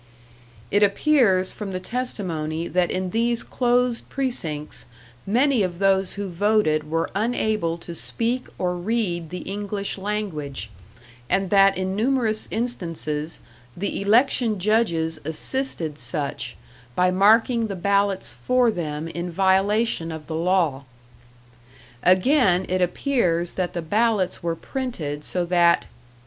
"It appears from the testimony that in these closed precincts many of those who voted were unable to speak or read the English language, and that in numerous instances, the election judges assisted such, by marking the ballots for them in violation of the law. Again, it appears that the ballots were printed so that....